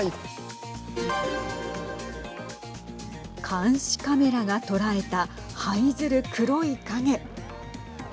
監視カメラが捉えたはいずる黒い影。